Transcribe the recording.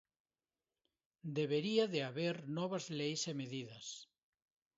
Debería de haber novas leis e medidas.